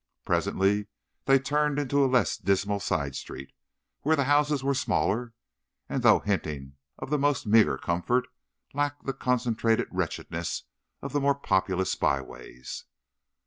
Presently they turned into a less dismal side street, where the houses were smaller, and, though hinting of the most meagre comfort, lacked the concentrated wretchedness of the more populous byways.